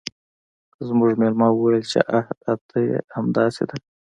زموږ میلمه وویل چې آه دا ته یې همداسې ده